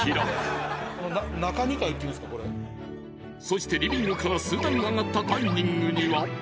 ［そしてリビングから数段上がったダイニングには］